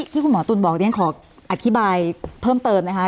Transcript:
คุณหมอตุ๋นบอกเรียนขออธิบายเพิ่มเติมนะคะ